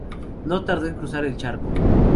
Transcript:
No tardó en cruzar el charco.